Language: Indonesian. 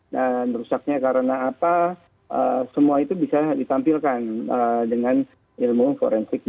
rusaknya karena apa semua itu bisa ditampilkan dengan ilmu forensik